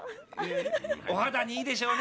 お肌にいいでしょうね？